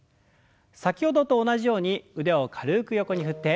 先ほどと同じように腕を軽く横に振って。